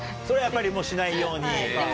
それはやっぱりしないように。